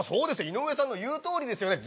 井上さんの言うとおりですよね。